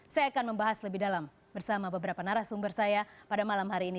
saya akan membahas lebih dalam bersama beberapa narasumber saya pada malam hari ini